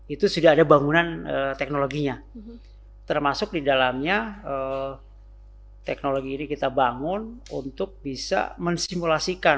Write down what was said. itu sudah ada bangunan teknologinya termasuk di dalamnya teknologi ini kita bangun untuk bisa mensimulasikan